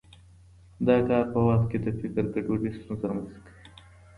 د کار په وخت کې د فکر ګډوډي ستونزې رامنځته کوي.